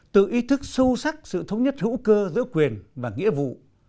tự ý thức sâu sắc sự thống nhất hữu cơ giữa quyền và nghĩa vụ